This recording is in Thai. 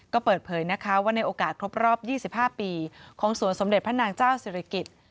ก็เปิดเผยนะคะว่าในโอกาสครบรอบ๒๕ปีของสวนสมเด็จพระนางเจ้าศิริกิจ